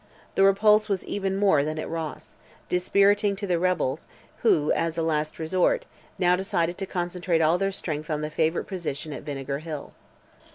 The repulse was even more than that at Ross, dispiriting to the rebels, who, as a last resort, now decided to concentrate all their strength on the favourite position at Vinegar Hill.